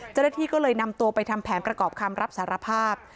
เจ้าหน้าที่ก็เลยนำตัวไปทำแผนประกอบคำรับสารภาพ